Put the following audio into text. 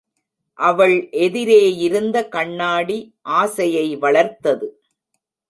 அவள் எதிரேயிருந்த கண்ணாடி ஆசையை வளர்த்தது.